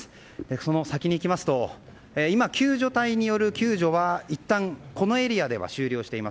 その先に行きますと今、救助隊による救助はいったん、このエリアでは終了しています。